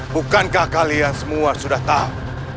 bukankah kalian semua sudah tahu